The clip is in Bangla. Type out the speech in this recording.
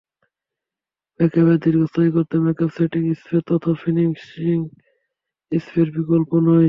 মেকআপকে দীর্ঘস্থায়ী করতে মেকআপ সেটিং স্প্রে তথা ফিনিশিং স্প্রের বিকল্প নেই।